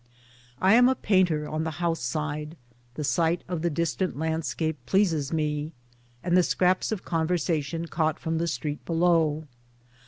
I am a painter on the house side, the sight of the distant landscape pleases me, and the scraps of conversation caught from the street below.